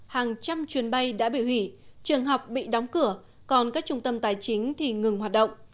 hàng trăm chuyến bay đã bị hủy trường học bị đóng cửa còn các trung tâm tài chính thì ngừng hoạt động